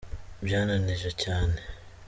byananije cyane.